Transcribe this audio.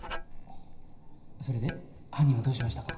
それで犯人はどうしましたか？